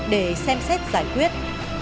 để xem xét giải quyết